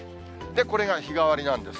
これが日替わりなんです。